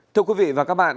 thưa quý vị và các bạn